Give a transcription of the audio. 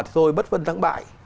thôi bất phân thắng bại